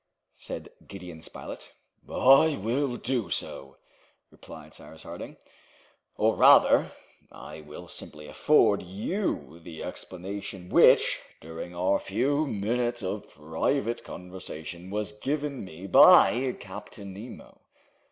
said Gideon Spilett. "I will do so," replied Cyrus Harding, "or rather I will simply afford you the explanation which, during our few minutes of private conversation, was given me by Captain Nemo."